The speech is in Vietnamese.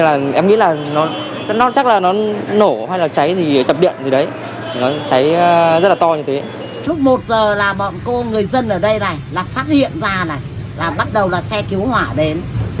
lúc đấy một giờ là bọn cô người dân ở đây này là phát hiện ra này là bắt đầu là xe cứu hỏa đến